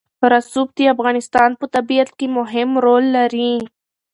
رسوب د افغانستان په طبیعت کې مهم رول لري.